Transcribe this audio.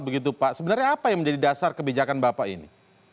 begitu pak sebenarnya apa yang menjadi dasar kebijakan bapak ini